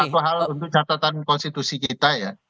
satu hal untuk catatan konstitusi kita ya